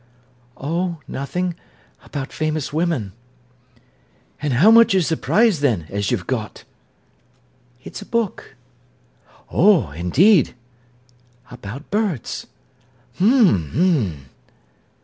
"Oh, nothing—about famous women." "And how much is the prize, then, as you've got?" "It's a book." "Oh, indeed!" "About birds." "Hm—hm!"